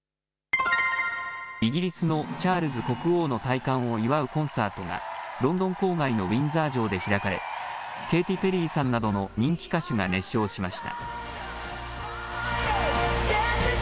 イギリスのチャールズ国王の戴冠を祝うコンサートが、ロンドン郊外のウィンザー城で開かれ、ケイティ・ペリーさんなどの人気歌手が熱唱しました。